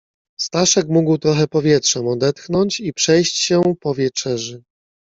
"Staszek mógł trochę powietrzem odetchnąć i przejść się po wieczerzy."